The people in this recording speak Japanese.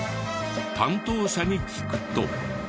担当者に聞くと。